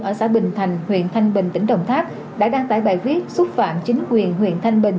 ở xã bình thành huyện thanh bình tỉnh đồng tháp đã đăng tải bài viết xúc phạm chính quyền huyện thanh bình